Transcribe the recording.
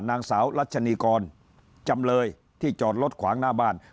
นางสาวรัชนีกรจำเลยที่จอดรถขวางหน้าบ้าน